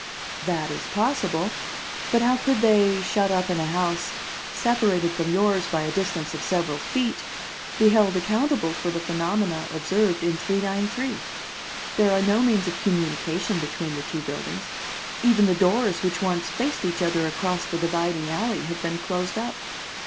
"That is possible, but how could they, shut up in a house, separated from yours by a distance of several feet, be held accountable for the phenomena observed in 393? There are no means of communication between the two buildings; even the doors, which once faced each other across the dividing alley, have been closed up.